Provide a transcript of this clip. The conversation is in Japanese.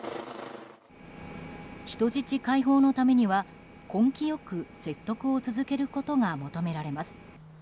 人質解放のためには根気よく説得を続けることが求められます。